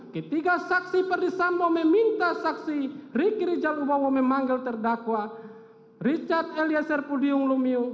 ketika saksi perdisambo meminta saksi riki rijalubowo memanggil terdakwa richard eliezer pudium lumiu